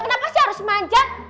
kenapa sih harus manjat